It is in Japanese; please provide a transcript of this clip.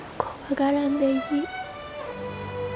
怖がらんでいい。